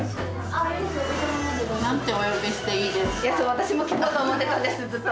私も聞こうと思ってたんですずっと。